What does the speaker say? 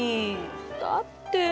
だって。